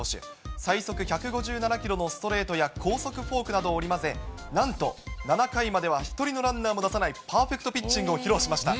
最速１５７キロのストレートや高速フォークなどを織り交ぜ、なんと７回までは１人のランナーも出さないパーフェクトピッチングを披露しました。